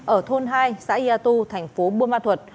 ở thôn hai xã yatou tp buôn ma thuật